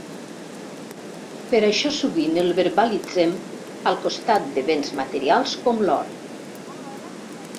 Per això sovint el verbalitzem al costat de béns materials com l'or.